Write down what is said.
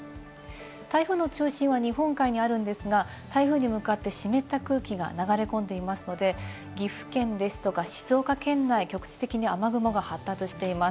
台風の中心は日本海にあるんですが、台風に向かって湿った空気が流れ込んでいますので、岐阜県ですとか静岡県内、局地的に雨雲が発達しています。